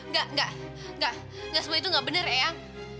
enggak enggak enggak semua itu enggak bener eyang